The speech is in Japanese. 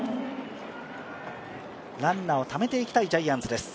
ランナーをためていきたいジャイアンツです。